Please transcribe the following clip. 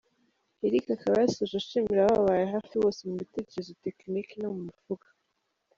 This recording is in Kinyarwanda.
Eric akaba yasoje ashimira abababaye hafi bose mu bitekerezo tekiniki no mu mufuka.